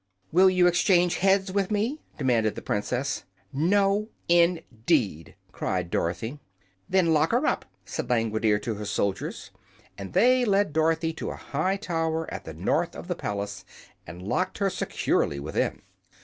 "Will you exchange heads with me?" demanded the Princess. "No, indeed!" cried Dorothy. "Then lock her up," said Langwidere to her soldiers, and they led Dorothy to a high tower at the north of the palace and locked her securely within.